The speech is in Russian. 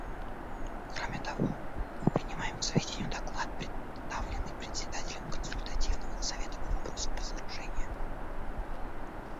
Кроме того, мы принимаем к сведению доклад, представленный Председателем Консультативного совета по вопросам разоружения.